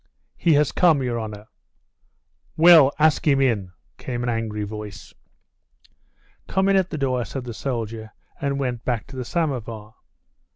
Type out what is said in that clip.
"He has come, your honour." "Well, ask him in," came an angry voice. "Go in at the door," said the soldier, and went back to the somovar.